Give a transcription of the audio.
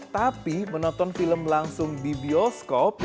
tapi menonton film langsung di bioskop